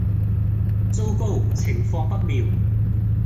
糟糕！情況不妙